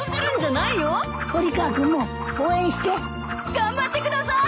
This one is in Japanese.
頑張ってください！